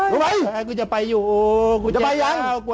โอ้ยหิวอยู่แล้ว